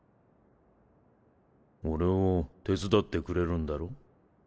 俺を手伝ってくれるんだろ？